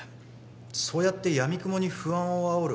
そうやってやみくもに不安をあおる